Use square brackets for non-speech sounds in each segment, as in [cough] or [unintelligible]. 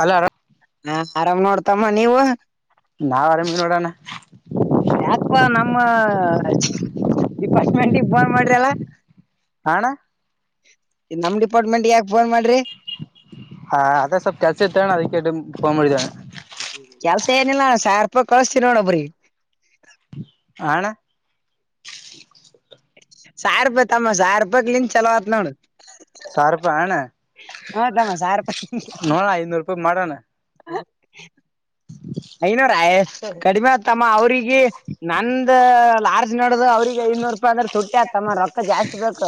ಅಲ್ಲ ಆರಾಮ್ ಹಾ ಆರಾಮ್ ನೋಡ್ತಮ್ಮ ನೀವು. ನಾವ್ ಆರಾಮ ಇದಿವ್ ನೋಡಣ. ಯಾಕ್ಪ ನಮ್ಮ ಡಿಪಾರ್ಟ್ಮೆಂಟಿಗೆ ಫೋನ್ ಮಾಡ್ರಿಲ್ಲ. ಅಣ್ಣ ನಮ್ ಡಿಪಾರ್ಟ್ಮೆಂಟಿಗ ಯಾಕ ಫೋನ್ ಮಾಡ್ರಿ. ಹಾ ಅದೇ ಸ್ವಪ್ ಕೆಲ್ಸ ಇತ್ತಣ್ ಅದಕ್ಕೆ ನಿಮ್ಗ ಫೋನ ಮಾಡಿದೆಣ [unintelligible] ಕೆಲ್ಸ ಏನಿಲ್ಲ ಸಾರ್ ರೂಪಾಯ ಕಳಸ್ತೀನೋಡ ಬರಿ. ಹಾಣ. ಸಾರ್ ರೂಪಾಯಿ ತಮ್ಮ ಸಾರ್ ರೂಪಾಯಿಲಿಂದ ಚಲೋ ಆತ್ ನೋಡು. ಸಾರರೂಪಾಯನ್. ಹ್ಮ್ಮ್ ತಮ್ಮ ಸಾರ್ ರೂಪಾಯಿ [unintelligible] ಹ ಐದ್ನೂರು [unintelligible] [unintelligible] ಮಾಡೋನ ಹ [unintelligible] [inaudible] ಐನೋರಾಯಿಸ್ ಕಡಿಮೆ ಆತ್ತಮ್ಮ ಅವ್ರಿಗಿ ನಂದ ಲಾರ್ಜ ನೀಡದ ಅವ್ರೀಗ ಐನೂರು ರೂಪಯಿ ಅಂದ್ರ ತುಟ್ಟಿ ತ್ಯ ತಮ್ಮ ರೊಕ್ ಜಾಸ್ತಿ ಬೇಕ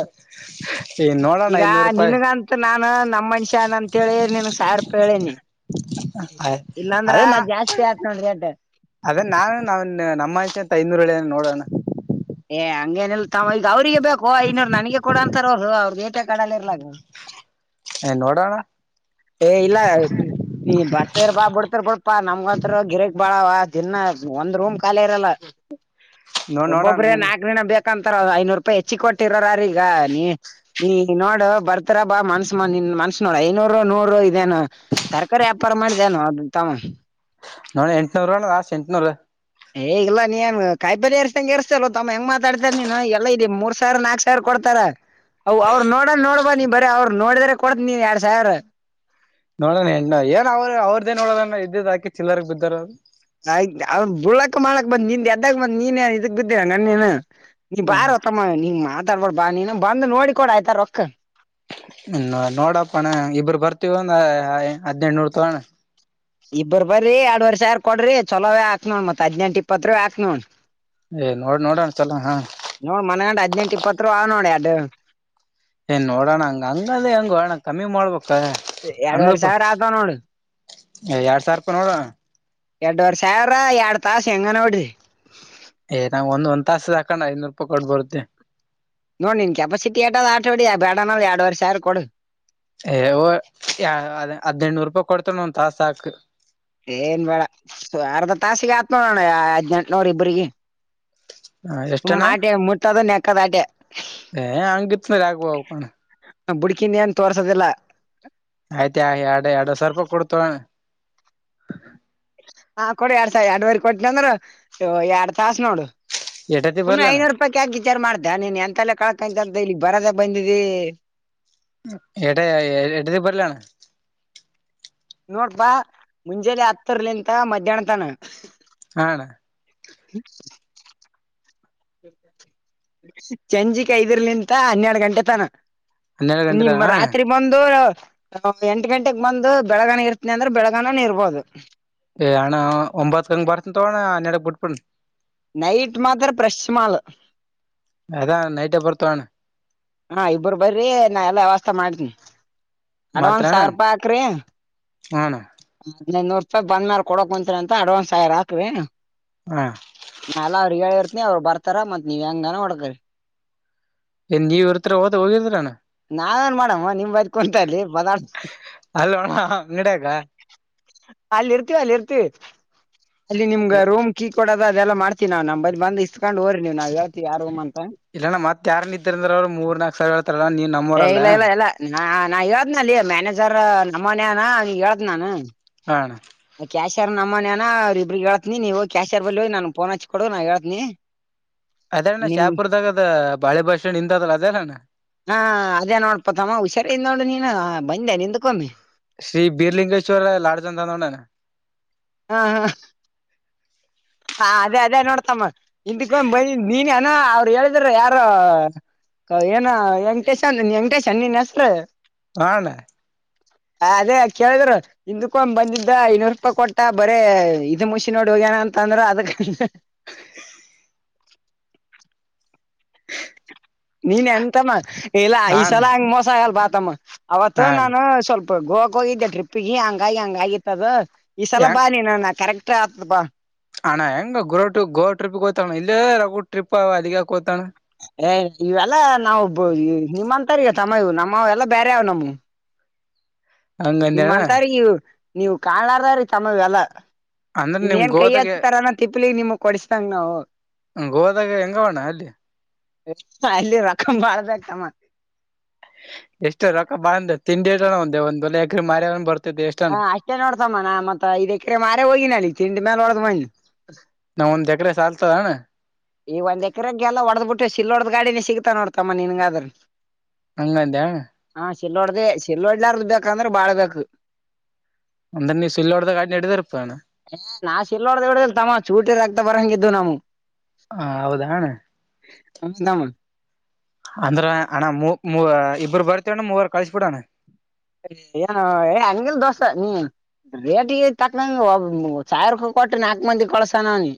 ಈ ನೋಡೋಣ ಈಗ ಐನೂರು ರೂಪಾಯಿ ನಿನ್ಗಂತ ತ ನಾನ ನಮ್ಮ ಮನುಷ್ಯ ಹನ ಅಂತೇಳಿ ನಿನ್ಗ್ ಸಾವಿರ ರುಪಾಯಿ ಹೇಳಿನಿ. [unintelligible] ಇಲ್ಲಾಂದ್ರ ಅದೇ ನಾ ಜಾಸ್ತಿ ಆತ ನೋಡ ರೆಂಟ. ಅದೇ ನಾನ ಅಲ್ಲೆ ನಮ್ಮಂಚೆ ಅಂತ ಐದ್ನೂರು ಹೇಳೆನ್ ನೋಡೋಣ. ಏ ಹಂಗೇನಿಲ್ ತಮ್ ಈಗ ಅವ್ರಿಗೆ ಬೇಕೋ ಐನೂರ್ ನನಗೆ ಕೊಡ ಅಂತಾರ ಅವ್ರು ಅವ್ರದ ಎಟ್ಯಾಕ್ ಅಡಲ್ ಇರ್ಲ್ಯಕ್. ಏ ನೋಡೋಣ. ಏ ಇಲ್ಲ ನೀ ಬರ್ತಿರ ಬಾ ಬಿಡ್ತರ್ ಬಿಡ್ಪಾ ನಮ್ಗಂತ್ರು ಗಿರೆಕ್ ಬಾಳವ ದಿನ್ನ ಒಂದ್ ರೂಮ್ ಖಾಲಿ ಇರಲ್ಲ. ನೋ ನೋಡೋಣ ಒಬ್ಬೊಬ್ರೇ ಇಲ್ಲಿ ನಾಕ ದಿನ ಬೇಕಂತಾರ ಐನೂರು ರೂಪಾಯಿ ಹೆಚ್ಚಿಗ ಕೊಟ್ಟಿರೋರ ಹಾರ ಈಗ ನೀ. ನೀ ನೋಡ್ ಬರ್ತರಾ ಬಾ ಮನ್ಸ್ ಮಾಡ್ ನೀ ಮನ್ಸ ನೋಡ ಐನೂರ [unintelligible] ನೂರ ಇದೇನು ತರಕಾರಿ ವ್ಯಾಪಾರ ಮಾಡಿದೆನು ದು ತಮ್ಮ. ನೋಡ ಎಂಟ್ನುರು ಲಾಸ್ಟ್ ಎಂಟ್ನೂರು. ಹೇಗಿಲ್ಲ ನಿ ಏನ್ ಕಾಯಿಪಲ್ಯ ಏರ್ಸದಂಗ ಎರ್ಸತಲ್ಯೋ ತಮ್ಮ್ ಹೆಂಗ ಮಾತಾಡ್ತ್ಯಲ್ ನೀನ ಎಲ್ಲ ಇಲ್ಲಿ ಮೂರ್ ಸಾವಿರಾ ನಾಕ್ಸ ಸಾವರ್ ಕೊಡ್ತಾರ ಅವ ಅವ್ರ ನೋಡ ನೋಡ್ಬ ನೀ ಬರೆ ಅವ್ರು ನೋಡಿದ್ರೆ ಕೊಡ್ತ ನೀ ಎರಡ್ ಸಾವಿರ. ನೋಡಣ ಹೆಂಗ ಏನ್ ಅವ್ ಅವರ್ದೇನ್ ನೋಡದನ್ ಇದ್ದಿದ್ ಹಾಕಿ ಚಿಲ್ಲರ್ಗ್ ಬಿದ್ದಾರ. ಆಯ್ತ ಅವ ಬುಳಕ್ ಮಾಡಕ್ ಬಂದ್ ನಿಂದ ಎದ್ದಾಗ ಬಂದ್ ನೀನೆ ಇದಕ್ ಬಿದ್ದಿ ಏನ್ ನೀನ ನೀ ಬಾರೋ ಮ್ಮ ನಿನ್ ಮಾತಾಡ್ಬಡ ಬಾ ನೀನ ಬಂದ ನೋಡಿ ಕೊಡ ಆಯ್ತಾ ರೊಕ್ಕ. ಹ ನೋಡಪ್ಪಣ್ಣ ಇಬ್ಬರು ಬರ್ತೀವ ಒಂದ ಹದಿನೆಂಟುನೂರು ತಗೋಣ್ಣ. ಇಬ್ಬರು ಇಬ್ರು ಬರೀ ಯಾಡುವರಿ ಸಾವಿರ ಕೊಡ್ರಿ ಚಲೋವೆ ಹಾಕಿನಿ ಮತ್ ಹದ್ನೆಂಟ್ ಇಪ್ಪತೃವೆ ಹಾಕ್ ನೋ ಏ ನೋಡ್ ನೋಡ ಒಂದ್ಸಲ. ನೋಡ್ ಮನಗಂಡ್ ಹದನೆಂಟ ಇಪ್ಪತ್ತುರುವ ಆವ್ ನೋಡ ಯಾಡ್ಡು. ಏ ನೋಡೋಣ ಹಂಗ ಹಂಗದೇ ಹೆಂಗೋಣ ಕಮ್ಮಿ ಮಾಡ್ಬೇಕ. ಎರಡ್ವರ್ ಅಂದ್ರಬ ಸಾವಿರ ಆತವ್ ನೋಡು [inaudible] ಏ ಎರಡ್ ಸಾವಿರ ರೂಪಾಯಿ ನೋಡ. ಎರಡ್ವರೆ ಸಾವಿರ ಎರಡ್ ತಾಸ ಹೆಂಗನ ವಡಿರಿ. ಏ ನಂಗ ಒಂದ್ ಒಂದತಾಸ ಹಾಕನ್ನ ಐನೂರು ರಪಾಯಿ ಕೊಡ್ ಬರುತೀವಿ. ನೋಡ್ ನಿನ್ ಕೆಪಾಸಿಟಿ ಏಟ್ಟಾದ್ ಆಟವಾಡಿ ಬೇಡಾನ ಎರವರೆ ಸರ ಕೊಡು. ಏಯ್ ಹೋಗ್ ಹದ್ನಂಟನೂರು ರೂಪಾಯಿ ಕೊಡ್ತ ಒಂದ್ ತಾಸ ಹಾಕ್. ಏನ್ ಬೇಡ ಅರ್ಧ ತಾಸಿಗೆ ಆತ್ ನೋಡೋಣ ಹದ್ನೆನೆಂಟ ನೂರ ಇಬ್ರಿಗೆ. ಹ ಎಷ್ಟನ ಮಾಡ ಮುಟ್ಟತಾದು ನೆಎಕದ ಆಟೆ. ಏ ಹಂಗಿತ್ಂದ್ರ ಆಗ್ಬೋಣ ಬುಡಕ್ ಇನ್ನೆನ್ ತೋರ್ಸದಿಲ್ಲ. ಆಯ್ತ ಆ ಎರಡು ಎರಡ್ ಸಾವರ ರೂಪಾಯಿ ಕೊಡ್ತ ಹಾ ಕೊಡಿ ಎರಡ್ ಸಾವಿ ಎರಡ್ವರೆ ಕೊಟ್ಟನ ಅಂದ್ರ ಎರಡ್ ತಾಸ ನೋಡು ಎಟತಿ ಸುಮ್ನೆ ಬರ್ಲಣ ಐನೂರು ಪ ಕಾಕ ವಿಚಾರ್ ಮಾಡ್ದ ನೀನ್ ಎಂತಲ್ಲ ಕಳ್ಕಂತ ಅಂತ ಇಲ್ಲಿ ಬರದ ಬಂದಿದ್ದಿ. ಎಡ ಎಡ ದ ಬರಲಣ. ನೋಡ್ಪಾ ಮುಂಜಾನೆ ಹತ್ತರ್ಲಿಂತ ಮಧ್ಯಾಹ್ನ ತನ. ಹಾಣ. [inaudible] ಸಂಜಿಕ್ ಐದರ್ಲಿಂತ ಹನ್ನೆರಡು ಗಂಟೆ ತಾನ. ಹನ್ನೆರಡು ಗಂಟೆ ತ ನಿಮ್ಮ ಅಣ್ಣ ರಾತ್ರಿ ಬಂದು ಎಂಟು ಗಂಟೆಗೆ ಬಂದು ಬೆಳಗಾನ ಇರ್ತನಿ ಅಂದ್ರೆ ಬೆಳಗನನ ಇರ್ಬೋದು. ಏ ಅಣ್ಣ ಒಂಬತ್ಕಂಗ್ ಬರ್ತನ್ ತೋಣ್ಣ ನನ್ನಡಗ್ ಬಿುಟ್ಬಣ. ನೈಟ್ ಮಾತ್ರ ಪ್ರ್ರೆಶ್ ಮಾಲ್. ಅದಾ ನೈಟೇ ಬರ್ತವಣ್ಣ. ಹಾ ಇಬರು ಬರಿ ನಾ ಎಲ್ಲ ವ್ಯವಸ್ಥೆ ಮಾಡ್ತೀನಿ ಅಡ್ವಾನ್ಸ್ ಸಾವಿರ ರೂಪಾಯಿ ಹಾಕ್ರಿ. ಹ ಅಣ್ಣ. ಹದಿನೈದ್ ನೂರು ರೂಪಾಯಿ ಬಂದ ಮೇಾಲ ಕೊಕಕ್ ಬಂತೀರ ಅಂತ ಅಡ್ವಾನ್ಸ್ ಆಕ್ರಿ‌. ಹಾ ನಾ ಎಲ್ಲ ಅವ್ರರು ಹೇಳಿರ್ತನಿ ಅವ್ರು ಬರ್ತಾರ ಮತ್ ನೀ್ ಹೆಂಗನ ಹೊಡಕ್ರರಿ. ಏನ್ ನೀವ್ ಇರ್ತರ ಹೋದ ಹೋಗಿದ್ರಣ್ಣ ನಾನೇನ್ ಮಾಡಮ್ಮ ನಿಮ್ ಬದಕ ಕುಟ ಇಲ್ಲಿ ಬದಾಡ್ತ ಅಲ್ಲೋಣ ಅಂಗ್ಡೀಗ. ಅಲ್ಲಿ ಇರ್ತಿವಿ ಅಲ್ಲಿ ಇರ್ತಿವಿ ಅಲ್ಲಿ ನಿಮ್ಗ ರೂಮ್ ಕೀ ಕೊಡೋದ ಅದೆಲ್ಲ ಮಾಡತೀವಿ ನಮ ಬಂದ ಇಕೊಂಡ್ ಹ್ರರಿ ನೀವು ನಾವ ಯಾರ ಅಂತ. ಇಲ್ಲ ನಮ್ಮ ಮತ್ತ ಯಾರ ನ ಇದಿದ ಅ್ರ ಅವರು ಮೂರ್ ನನಾಕಕ್ ಸಾವರ ಹಳ್ತಾರ ನೀವ ನ ಏ ಇಲ್ಲ ಇಲ್ಲ ಇಲ್ಲ ನ ನಾ ಹೇಳ್ದ್ನ ಅಲ್ಲಿ ಮ್ಯಾನೇಜರ್ ನಮ್ಮನನಾ ಹೇಳದ ನಾನು. ಹ ಅಣ್ಣ ಕ್ಯಾಶರ್ ನಮ್ಮ ಮನ್ ಅನ ಅವ ಇಬ್ಬಗಗ್ೇಳ್ತನಿ ನೀವು ಕ್ಯಾಶರ್ ಬ ನನ್ಫೋನ್ ಹಚ್ಕ ಕೊಡು ನಾ ಹೇಳ್ತನಿ. ಅದೇ ನ್ಣಾ ಶಾಪುರ್ದಾಗದ ಬಳೆ ಬಸ್ತನ್ಡ್ ಇಂದ ಅದಲ್ಲ ಅದೇನಣ್ಣ? ಹಾ ಅದೇ ನೋಡ್ಪತಮ್ಮ ಹುಷಾರ ನೋಡು ನೀನು ಬಂದೆ ನಿಂದ್ಕೊಮ್ಮಿ? ಶ್ರೀ ಬೀರ್ಲಿಂಗೇಶ್ರ ಲಾಡ್ಜಂದ ನೋಡಣ. ಹಾ ಹಾ ಹ ಅದೇ ಅದೇ ನೋಡ್ತಮ್ಮ ಹಿಂದಕ್ಕೊ ಬಂದ ನೀನ್ ಅನೋ ಅವ್ರು ಹೇಳಿದ್ರ ಯಾರು ಏನ ವೆಂಟೇಶ್ ಅಂದ ವಂಟೇಶನ್ ನೀನ್ ಹೆಸರು? ಹಾಣ್ಣ. ಹ ಅದೇ ಕೇಳಿದ್ರ್. ಹಿಂದಕ್ಕೊ ಒಂದ್ ಬಂದಿದ್ದ ಐನೂರು ರೂಪಾಯಿ ಕೊಟ್ಟ ಬರೇ ಇದದು ಮುಷಿನ್ ನೋಡ ಹೋಗ ನ ಅಂತ ಅಂದ್ರ ಅದಕ್ [inaudible] ನೀನ್ ಎಂತಮ್ಮ ಇಲ್ಲ ಹ ಈ ಅಣ್ಣ ಸಲ ಹಂಗ ಮೋಸ ಆಗಲ್ ಬಾತಮ್ಮ ಹ ಅವತ್ತು ನಾನು ಸ್ವಲ್ಪ ಗೋವಾ ಹೋಗಿದ್ದೆ ಟ್ರಿಪ್ ಹಂಗಾಗಿ ಹಂಗಗಿತ್ತದ ಈ ಸಲ ಹೆಂಗ ಬಾ ನೀ ಕರೆಕ್ಟ್ ಆತದ ಬಾ. ಅಣ್ಣ ಹೆಂಗ ಗೋವ ಟ್ರಿಪ್ ಗೋವ ಟ್ರಿಪ್ಗೋ ತಣ್ಣ. ಇಲ್ಲೇ ರಗಡ ಟ್ರಿಪ್ ಅವ ಅಲ್ಲಿಗೆಯಾಕೋತಣ. ಏ ಇವೆಲ್ಲಾ ನಾವು ನಿಮ್ಮಂತರಿಗೆತಮ್ಮ ಇದ ನಮ್ಮ ಎಲ್ಲಾ ಬೇರೆ ಅವ್ ನಮ್ಮವು ಹಂಗಂದೇನ ನಿಮ್ಂತರಿ ನೀವ್ ಕಾಣಲಾರ್ದ್ರವರಿಗಿ ತಮ್ಮ ಎಲ್ಲಾ. ಅಂದ್ರ ನಿಮ್ ಏನ್ ಕೈ ಗೋದಾಗ ಹಚ್ತಾರನ ತಿಪ್ಪಲಿಗ್ ನಿಮಗ್ ಕೊಡಸಿದಂಗ ನಾವು ಹ ಗೋವದಾಗ ಹೆಂಗಾವಣ್ಣ ಅಲ್ಲಿ ಅಲ್ಲಿ ರಕಮ್ ಬಾಳ್ ಬಮ್ಮ [unintelligible] ಎಷ್ಟು ರೊಕ್ಕ ಬಾಂದ ತಿಂಡಿ [unintelligible] ಒಂದೆ ಒಂದ್ಲೆ ಎಕ್ರ ಮಾರ್ಯ ಬರ್ತ ಹಾ, ಅಷ್ಟೇ ನೋಡ್ತಮ್ಮಾ ಮತ್ತ ಐದ ಎಕ್ರೆ ಮಾರೆ ಹೋಗಿ ನ ಅಲ್ಲಿಗ್ ತಿಂಡ ಮೇಲೆ ನೋಡ ಮ ನಾವಗ ಒಂದ್ ಎಕರೆ ಸಾಲ್ತದಣ್ಣ ಈ ಒಂದ್ ಎಕರಗೆ ಎಲ್ಲ ಹೊಡೆದ್ ಬಿಟ್ಟು ಸಿಲ್ಲೋಡ್ದ್ ಗಾಡಿನೆ ಸಿಗ್ತಾವ ನೋಡ್ತಮ್ಮ ನಿನ್ಗಾದ್ರ. ಹಂಗದ್ಯಾ ಹಾ, ಶಿಲೊಡ್ದ, ಶಿಲೊಡ್ಲಾರ್ದ ಬೇಕಂದ್ರೆ ಬಾಳ್ ಬೇಕು. ಅಂದ್ರ ನೀ ಸುಳ್ಳೋಡ್ದಾಗಾಗಿ ನಡದಿರ್ಪ್ಪಣ [unintelligible] ಏ ನಾ ಶಿಲ್ಲೊಡ್ದ ವ ಇಡ್ದಿಲ್ ತಮ್ಮ ಚೂಟಿದರ ರಕ್ತ ಬರಂಗಿದ್ದು ನಮ್ ಹಾ, ಹೌದಣ- ಹ ತಾಮನ್ [inaudible] ಅಂದ್ರ ಅಣ್ಣ ಮೂವ ಇಬ್ಬರು ಬರ್ತೇವಣ್ಣ ಮೂವರು ಕಳಸಿ ಬಿಡಣ್ಣ. ಏನು ಏ ಅಂಗಿಲ್ ದೋಸ್ತ ನೀ ರೇಟಿಗೆ ತಕ್ಕಂಗ ಒಬ್ ಸಾವಿರ ರೂಪಾಯಿ ಕೊಟ್ಟ ನಾಲ್ಕು ಮಂದಿ ಕಳಸನವ ನೀ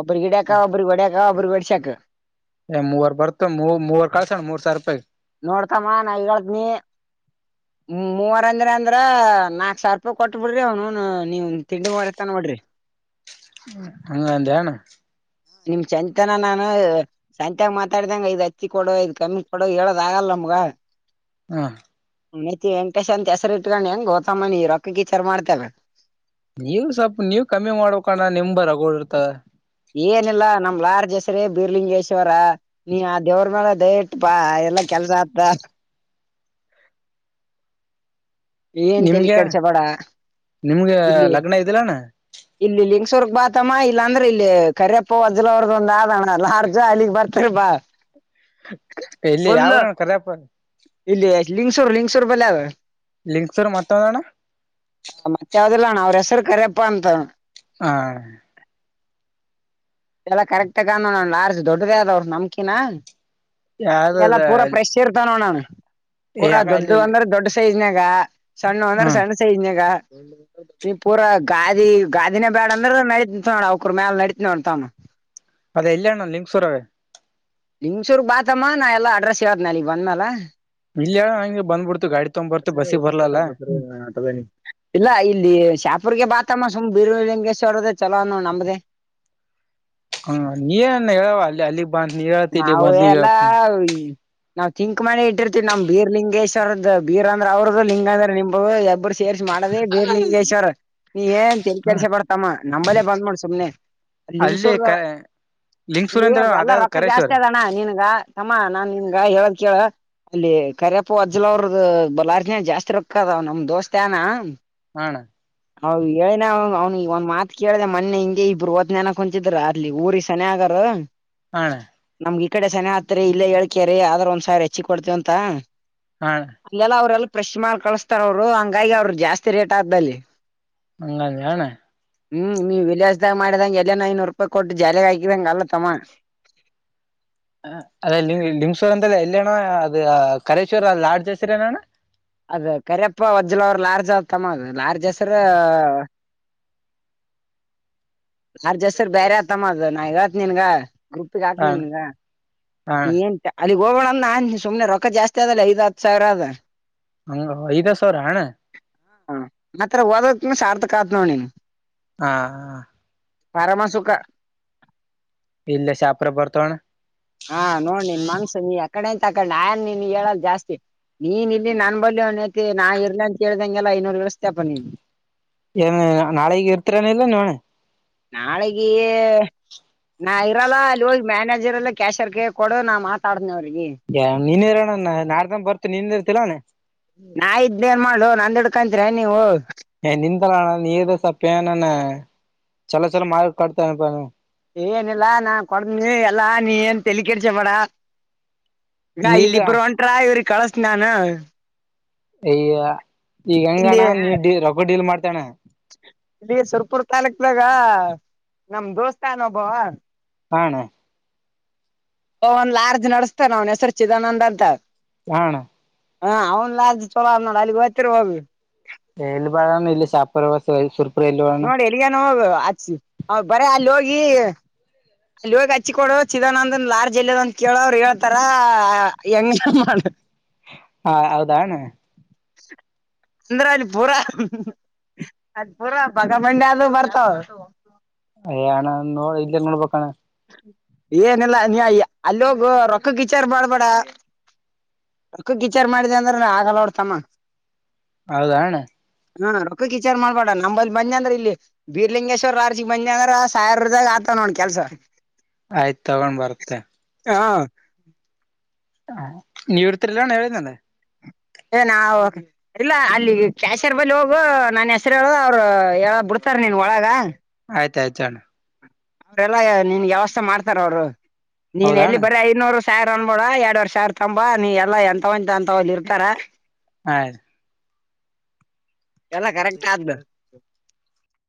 ಒಬ್ಬರಿ ಗಿಡ್ಯಾಕ, ಒಬ್ರಿಗೆ ಹೊಡ್ಯಾಕ, ಒಬ್ಬ್ರಿಗೆ ಬಡಶ್ಯಾಕ. ಏ ಮೂವರ್ ಬರ್ತ ಮೂವ ಕಳ್ಸಣ ಮೂರ್ ಸಾವಿರ ರೂಪಾಯಿ ನೋಡ್ತಮ್ಮ ನಾ ಹೇಳ್ದನಿ ಮೂವರ ಅಂದ್ರೆ ಅಂದ್ರ ನಾಕ್ ಸಾವಿರ ರೂಪಾಯಿ ಕೊಟ್ಬ ಬಿಡ್ರಿ ಅವ್ನೌನ ನೀವ ತಿಂಡಿ ಮುರಿ ತನ ವಡ್ರಿ. ಹಂಗಂತಣ [unintelligible] ನಿಮಗ ಚಂತನ ನಾನು ಸಂತ್ಯಾಗ ಮಾತಾಡಿದಂಗ ಇ [unintelligible] ಹಚ್ಚಿ ಕೊಡ ಇದ್ ಕಮ್ಮಿ ಕೊಡ ಹೇಳೋದ ಆಗಲ್ಲ ನಮ್ಗ. ಹಾ [inaudible] ವುನೆತಿ ವೆಂಕಟೇಶ್ ಅಂತ ಹೆಸರಿ ಇಟ್ಕೊಂಡು ಹೆಂಗೊತಮ್ಮ ರೊಕ್ಕಕ ವಿಚಾರ ಮಾಡ್ತೀರಲ್ಲಾ ನೀವ್ ಸ್ವಲ್ಪ ನೀವ್ ಕಮ್ಮಿ ಮಾಡಕಣ್ಣ ನಿಮ್ಂದ ರಗೂಡ ಇರ್ತದ. ಏನಿಲ್ಲಾ ನಮ್ ಲಾಯರ್ ಹೆಸ್ರೇ ಬೀರ್ಲಿಂಗೇಶ್ವರ. ನೀ ಆ ದೇವ್ರ ಮೇಲೆ ದಯ ಇಟ್ಟಬಾ ಎಲ್ಲಾ ಕೆಲ್ಸ ಆತ್ತದ. ನೀ ಎನ್ ತಲಿ ನಿಮ್ಗೆ ಕೆಡ್ಸ ಬೇಡ ನಿಮ್ಗೆ ಇಲ್ಲಿ ಲಗ್ನ ಇದಿಲ್ಲಣ್ಣ ಇಲ್ಲಿ ಲಿಂಗಸೂರ್ಗ ಬಾತಮ್ಮ ಇಲ್ಲಾಂದ್ರೆ ಇಲ್ಲಿ ಕರಿಯಪ್ಪ ವಜ್ಜಲಅವ್ರದ ಒಂದ ಆದ ಲಾಡ್ಜ್ ಅಲ್ಲಿ ಗೆ ಬರ್ತಿ ಬ ಬಾ [inaudible] ಎಲ್ಲಿ ಫುಲ್ ಯಾವರಣ್ಣ ಕರೆಪ್ಪ - ಇಲ್ಲಿ ಲಿಂಗ್ಸೂರ್, ಲಿಂಗಸೂರ್ ಬಲ್ಲಿ ಆದ ಲಿಂಗ್ಸೂರ್ ಮತ್ತೆ ಎವದಣ್ಣ. ಮತ್ತ್ ಯಾವ್ದಲ್ಲಣ ಅವ್ರ ಹೆಸರು ಕರ್ಯಪ್ಪಾ ಅಂತ. ಹಾ, ಇದೆಲ್ಲ ಕರೆಕ್ಟ್ಗಾನಣ್ಣಲಾಡ್ಜ ದೊಡ್ಡದೇ ಆದ ಅವ್ರ ನಮಕಿನ ಇದೆಲ್ಲಾ ಯಾವ್ದದ ಪೂರಾ ಪ್ರಶ್ ಇರ್ತವ ನೋಡಣ್ಣ ನಾನು ಪೂರ ಯಾಕ ದೊಡ್ಡ ಅಲ್ಲಿ ಅಂದ್ರೆ ದೊಡ್ ಸೈಜ್ನಾಗ ಸಣ್ಣುವ ಅಂದ್ರೆ ಹ್ಮ ಸಣ್ಣ ಸಗ [inaudible] ನೀ ಪೂರ ಗಾದಿ ಗಾದಿನೇ ಬೇಡ ಅಂದ್ರೆ ನಡಿತದನೋಡ ತಮ್ಮ ಅವಕ್ರ ಮ್ಯಾಲ ಲ ನಡಿತೀನೋಡ ತಮ್ಮ. ಅದ ಎಲ್ಲ ಅಣ್ಣ ಲಿಂಗ್ಸೂರಗ. ನಿಂಗಸೂರ್ ಬಾತಮ್ಮ ನಾ ಎಲ್ಲ ಅಡ್ರೆಸ್ ಹೇಳ್ತೆನೆ ಅಲ್ಲಿಗ್ ಬಂದ ಮೇಲೆ ಇಲ್ಲಯ ಹಂಗೆ ಬಂದ್ಬಿಡ್ತು ಗಾಡಿ ತಗೊ ಬರ್ತು ಬಸ್ಸಿಗೆ ಬರ್ಲಲ್ಲಾ. [unintelligible] ಇಲ್ಲ ಇಲ್ಲಿ ಶ್ಯಾಪುರ್ಗೆ ಬಾತಮ್ಮ ಸುಮ್ ಬೀರ್ ಲಿಂಗೇಶ್ವ ಅವರದ ಚಲೋ ಅನ್ನೋ ನಂಬ್ದೇ. ಹ್ಮ ನೀನ್ ಹೇಳವ ಅಲ್ಲಿ ಅಲ್ಲಿ. [unintelligible] ನಾವು ಎಲ್ಲ ಈ ನಾವವು ತಿಿಂಕ್ ಮನೆ ಇಟ್ಟಿರ್ತಿೀವಿ ನಮ್ ಬೀರ್ ಲಿಂಗೇಶ್ವರದ ಬೀರ್ಂದ್ರ ಅವ್ರದ್ದ ಲಿಂಗಂದ್ರ ನಿಮಬ್ರು ಸೇರ್ಸಿ ಮಾಡದ ಬಿರಲಿಂಗೇಶ್ವರ್ ನೀ ಏನ್ ತೆಲಿ ಹ ಕೆಡಿಸ್ಕೊ ಬ್ಯಾಡ ತಮ್ಮಾ ನಂಬಲ್ಲೇ ಬಂದ್ ಮಾಡೋ ಸುಮ್ನೆ. ಅಲ್ಲಿ ಲಿಂಗಸೂರ್ ಕ ಲಿಂಗಸೂರಂದ್ರ ಅದ ಕರೇಶ್ವರ. ಣ ನೀನ್ಗ ತಮ್ಮಾ ನಾನ್ ನಿನ್ಗ ಹೇಳಕ್ ಕೇಳ. ಅಲ್ಲಿ ಕರಿಪ್ಪು ಅಜ್ಜಲ ಅವ್ರದ ಬಲಾರ್ಜಿನ ಜಾಸ್ತಿ ರೊಕ್ಕದಾವ್ ನಮ್ ದೋಸ್ತ ಯಾನ್ ಹ ಅಣ್ಣಾ. ಅವ ಹೇಳನ ಅವ್ ಈಗ ಒಂದ ಮಾತ್ ಕೇಳ್ದ ಮೊನ್ನೇ ಹಿಂಗೆ ಇಬ್ಬರುವತ್ ನನಕ್ ಕುಂಚಿದ್ರು ಅತ್ಲಿ ಊ ತನ್ಯಾಗ ಆರು. ಹ ಅಣ್ಣಾ. ನಮ್ಗ ಈ ಕಡೆ ಸೆನೆ ಹಾತ್ರಿ ಇಲ್ಲೇ ಹಳ್ಕ್ಯ ರೀ ಆದ್ರರು ಒಂದ್ ಸಾವರ ಹೆಚ್ಚಿಗ ಕೊಡ್ತೇವಂತ. ಹಾ ಅಣ್ಣಾ. ಇಲ್ಲೆಲ್ಲ ಅವ್ರಲ್ಲ ಫೆಶ್ ಮಾಲ್ ಕಳಸ್ತಾರ ಅವ್ರು ಹಂಗಾಗಿ ಅವರು ಜಾಸ್ತಿ ರೇಟ್ ಆಗ್ತದ ಅಲ್ಲಿ. ಹಂಗ ಅಂದಿ ಏನ್. ಹ್ಮ್ ನೀವ ವಿಲಯಾಸದಾಗ ಮಾಡಿದಂಗಗೆ ಎಲ್ಲ ಐನೂರು ರೂಪಾಯಿ ಕೊಟ್ಟು ಜಾಲಿಗ ಹಾಕಿದಂಗ ಅಲ್ಲ ತಮ್ಮ. ಹ ಅದೇಂಗ ಲಿಂಗ್ಸವರ್ ಅಂದ್ರ ಎಲ್ಲೇಣ್ಣ ಅದ ಕರೇಶ್ವರ ಅ ಲಾಡ್ಜ ಹೆಸರ ಏನ್ ಅಣ್ಣಾ. ಅದ ಕರಿಯಪ್ಪ ವಜ್ಲ ಅವ್ರರು ಲಾರ್ಜ್ ಆತಮ್ಮ ಅದು ಲಾರ್ಜ್ ಹೆಸ್ರ ಆರ್ಜಸ್ರ್ ಬೇರೆ ಆತಮ್ಮ ಅದು ನಾ ಹೇಳ್ತೇನ ನಿನ್ಗ ಗ್ರೂಪಗ ಹಾಕ್ನನ್ ಹಣ ನಿನ್ಗ. ಹಣ ನೀ ಏನ್ ಅಲ್ಲಿಗ್ ಹೋಗ ಬ್ಯಾಡ್ ಅಂದ ನಾನನ ಸುಮ್ನೆ ರೊಕ್ಕ ಜಾಸ್ತಿ ಅದಲ್ಲ ಐದ ಹತ್ತು ಸಾವಿರ ಅದ. ಓ ಓ ಐದ್ ಸಾವಿರ ಅಣ್ಣಾ. ಹ ಮಾತ್ರ ಹೋದದಕ್ಕನ ಸಾರ್ಥಕ ಆತ್ ನೋಡ್ ನೀನ್ಗ. ಹಾ ಹಾ. ಪರಮಸುಖ. ಇಲ್ಲ ಶಾಪುರಗ್ ಬರ್ತೋಣ್ಣಾ. ಹಾ ನೋಡ್ ನೀನ್ ಮನ್ಸು ನೀ ಯಕಡೆ ಎಂತ ಆಕೊಂಡ ಆಯನ್ ನೀನ್ ಹೇಳಲ್ ಜಾಸ್ತಿ. ನೀನ್ ಇಲ್ಲಿ ನನ್ ಬಳಿ ಒನತಿ ನಾ ಇರ್ಲಿ ಅಂತ ಹೇಳ್ದಂಗೆಲ್ಲ ಐನೂರು ಕಳಿಸ್ತಪ್ಪ ನೀನ್. ಏನ ನಾಳೆಗೆ ಇರ್ತರನಿಲ್ಲ ನೀವ್ ಅಣ್ಣಾ. ನಾಳೆಗೆೇ. ನಾ ಇರಲ್ಲ ಅಲ್ಲಿ ಹೋಗಿ ಮ್ಯಾನೇಜರ್ ಎಲ್ಲ ಕ್ಯಾಶರ್ ಕ ಕೊಡ ನಾ ಮಾತಾಡನ ಅವ್ರಿಗೆ. ಎ ನೀನ್ ಇರೋಣ ನಾಡ್ದ್ ಬರ್ತ ನೀನ್ ಇರ್ತಿಲ್ಲ ಅಣ್ಣಾ. ನಾ ಇದ್ದ ಏನ್ ಮಾಡ್ಲೊ ನಂದ ಹೀಡ್ಕಂತರ ನೀವು. [unintelligible] ಏನಲ್ಲ ನಾ ಕೊಡ ಎಲ್ಲಾ ನೀ ಏನ್ ತಲಿ ಕೆಡಿಸ್ಕೊಬ್ಯಾಡ. ಅಣ್ಣಾ ಇಲ್ಲಿ ನೀದ ಇಬ್ರು ಒಂಟ್ರ ಇವ್ರಿ ಕಳಸ್ತನ ನಾನ್ ಅಯ್ಯ ಈಗ ಇಲ್ಲಿ ಹಂಗಣ್ಣ ನೀ ಡ ರೊಕ್ಕ ಡೀಲ್ ಮಾಡ್ತಾನ್ಣ. ಇಲ್ಲಿ ಸುರ್ಪುರ್ ತಾಲೂಕ್ದಾಗ ನಮ್ ದೋಸ್ತಾನೊಬ್ಬ. ಹ ಅಣ್ಣಾ. ಓ ಒಂದ್ ಲಾರ್ಜ್ ನಡಸ್ತಾನ ಅವ್ನ್ ಹೆಸರು ಚಿದಾನಂದ ಅಂತ. ಹ ಅಣ್ಣಾ. ಹ ಅವ್ನ ಲಾಜ್ ಚಲೋ ಆ ನೋಡ ಅಲ್ಲಿಗ ಓತ್ತಿರ ಹೋಗ. ಏಲ್ಲಿ ಬಾಳೋಣ ಇಲ್ಲ ಶಾಪುರ ಸುರ್ಪುರ ಏಲ್ಲಿ ಬಾಳೋಣ. ಇಗ್ಯಾನೋ ಅಚ್ಚಿ ಬರೆ ಅಲ್ಲ ಹೋಗಿ ಅಲ್ಲ ಹೋಗ ಅಚ್ಚಿಕೊಡು ಚಿದಾನಂದನ ಲಾರ್ಜ್ ಎಲ್ಲದ ಅಂತ ಕೇಳ ಅವ್ರು ಹೇಳ್ತಾರ ಹೆಂಗ ಮಾಡ ಹಾ ಹೌದಾ ಅಣ್ಣ. [inaudible] ಅಂದ್ರ ಅಲ್ಲಿ ಪೂರಾ ಅದ್ ಪೂರಾ ಬಗ ಮಂಡಿ ಅದು ಬರ್ತಾವ. ಅಯಣ ನೋ ಇಲ್ಲ ನೋಡ್ಬಕಣ. ಏನಲ್ಲಾ ನೀ ಅಲ್ಲಿ ಹೋಗ ರೊಕ್ಕ ಕಿಚಾರ ಮಾಡ್ಬೇಡ. ರೊಕ್ಕಕ ಗವಿಚಾರ್ ಮಾಡಿದ ಅಂದ್ರ ಆಗಲ್ಲ ನೋಡ್ತಮ್ಮ. ಹೌದಾಣ್ಣ. ಹ್ಮ ರೊಕ್ಕಕ ವಿಚಾರ್ ಮಾಡ್ಬೇಡ ನಂಬಲ್ಲಿ ಬಂದಿ ಅಂದ್ರ ಇಲ್ಲಿ ಬೀರ್ಲಿಂಗೇಶ್ವರ್ ಆರ್ಜಿ ಬಂದಿ ಅಂದ್ರ ಸಾವಿರದಾಗ ಆತ ನೋಡ್ ಕೆಲ್ಸ. ಆಯ್ತ ತಗೊಂದ ಬರ್ತೆ. ಹಾ ನೀವ್ ಇರ್ತಿರಿಲ್ಲಣ ಹೇಳದನ. ಏ ನಾವ ಇಲ್ಲ ಅಲ್ಲಿ ಕ್ಯಾಶರ್ ಬಳಿ ಹೋಗು ನನ್ ಹೆಸರ್ ಹೇಳು ಅವ್ರು ಹೇಳ ಬಿಡ್ತಾರ ನೀನ್ ಒಳಗ. ಆಯ್ತಾಯ್ತ ಅಲ. ರೆಲ್ಲ ನಿನ್ಗ ವ್ಯವಸ್ಥ ಮಾಡ್ತರ ಅವರು ನೀನ್ ಹೌದಾ ಎಲ್ಲಿ ಅಣ್ಣ ಬರೀ ಐನೂರು ಸ್ಯಾರ್ ಅನ್ಬಿಡ ಎರಡ್ ವರ್ಷ ಅರಾ ತಂಬ ನೀ ಎಲ್ಲಾ ಎಂತವಂತ ಅಂತವ ಅಲ್ಲಿ ಇರ್ತಾರ. ಹಾ ರೀ. ಎಲ್ಲ ಕರೆಕ್ಟ್ ಆಗ್ದ.